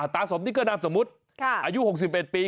สมนี่ก็นามสมมุติอายุ๖๑ปี